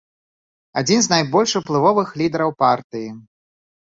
Адзін з найбольш уплывовых лідараў партыі.